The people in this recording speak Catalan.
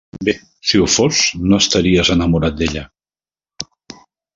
Bé, si ho fos, no estaries enamorat d'ella.